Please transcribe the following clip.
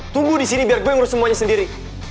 tunggu disini biar gua ngurus semuanya sendiri